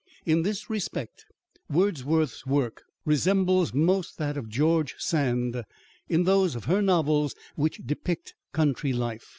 In this respect, Wordsworth's work resembles most that of George Sand, in those of her novels which depict country life.